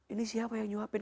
ini siapa yang nyuapin